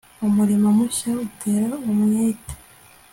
umurimo mushya utera umwete